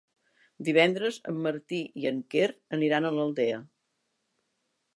Divendres en Martí i en Quer aniran a l'Aldea.